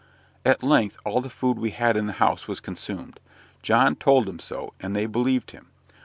At length all the food we had in the house was consumed. John told them so; and they believed him.